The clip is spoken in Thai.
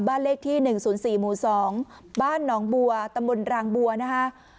บ้านเลขที่๑๐๔หมู่๒บ้านหนองบัวตำบลรางบัวนะคะ